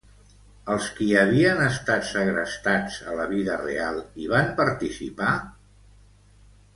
Els qui havien estat segrestats a la vida real, hi van participar?